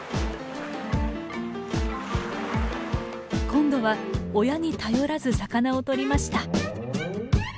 今度は親に頼らず魚をとりました。